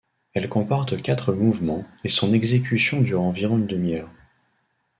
Elle comporte quatre mouvements et son exécution dure environ une demi-heure.